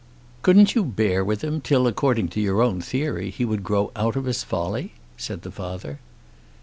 "Couldn't you bear with him till, according to your own theory, he would grow out of his folly?" said the father.